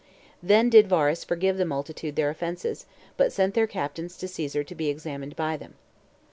Then did Varus forgive the multitude their offenses, but sent their captains to Caesar to be examined by him.